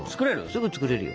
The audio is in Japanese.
すぐ作れるよ。